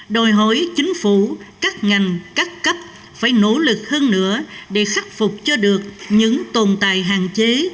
đòi hỏi chính phủ các ngành các cấp phải nỗ lực hơn nữa để khắc phục cho được những tồn tại hạn chế